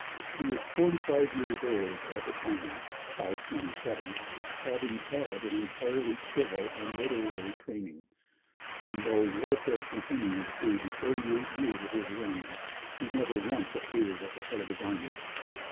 He was forty five years old at the time, 527, having had an entirely civil and literary training, and though warfare continued through the thirty eight years of his reign, he never once appeared at the head of his armies.